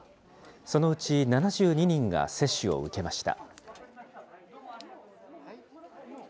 そのうち７２人が接種を受けました。